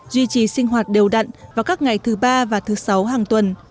duy trì sinh hoạt đều đặn vào các ngày thứ ba và thứ sáu hàng tuần